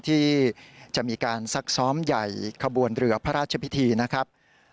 ที่จะมีการซักซ้อมใหญ่ขบวนเรือพระราชพิธีนะครับ